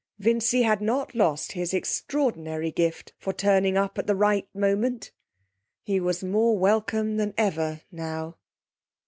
Vincy had not lost his extraordinary gift for turning up at the right moment. He was more welcome than ever now.